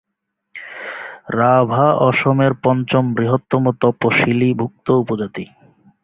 রাভা অসমের পঞ্চম বৃহত্তম তপশিলি ভুক্ত উপজাতি।